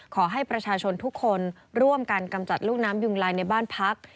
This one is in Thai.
ขอให้ประชาชนทุกคนร่วมกันกำจัดลูกน้ำยุงลายในบ้านพัก